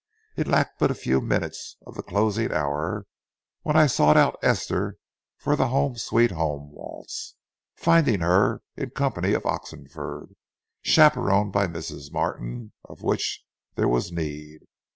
It lacked but a few minutes of the closing hour when I sought out Esther for the "Home, Sweet Home" waltz, finding her in company of Oxenford, chaperoned by Mrs. Martin, of which there was need.